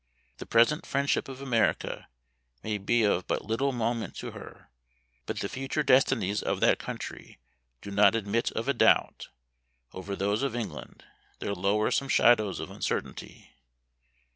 The present friendship of America may be of but little moment to her; but the future destinies of that country do not admit of a doubt; over those of England, there lower some shadows of uncertainty.